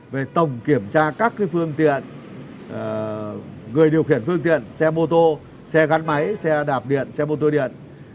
về tổng kiểm tra các phương tiện người điều khiển phương tiện xe mô tô xe gắn máy xe đạp điện xe mô tô điện